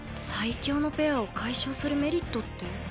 最強のペアを解消するメリットって。